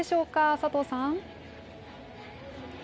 佐藤さん。